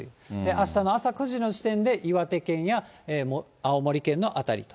あしたの朝９時の時点で岩手県や青森県の辺りと。